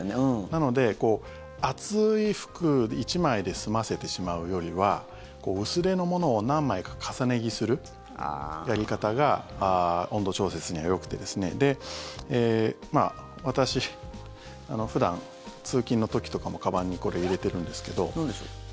なので、厚い服１枚で済ませてしまうよりは薄手のものを何枚か重ね着するやり方が温度調節にはよくて私普段、通勤の時とかもかばんになんでしょう？